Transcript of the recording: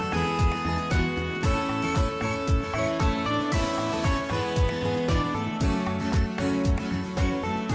โปรดติดตามตอนต่อไป